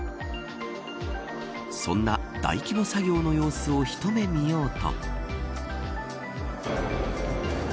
そんな大規模作業の様子を一目見ようと。